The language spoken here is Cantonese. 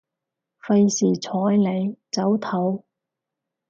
費事睬你，早唞